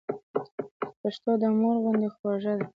پښتو د مور غوندي خوږه ده.